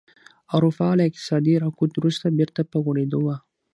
اروپا له اقتصادي رکود وروسته بېرته په غوړېدو وه